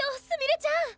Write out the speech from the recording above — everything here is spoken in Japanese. すみれちゃん！